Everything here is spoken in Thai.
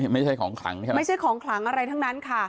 ไม่ใช่ของขลังใช่ไหมไม่ใช่ของขลังอะไรทั้งนั้นค่ะ